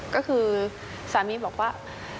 ก็คือสามีบอกว่า